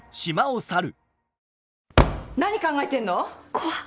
怖っ。